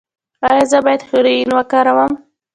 ایا زه باید هیرویین وکاروم؟